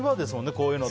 こういうの。